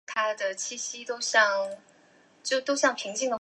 黄带豆娘鱼为雀鲷科豆娘鱼属的鱼类。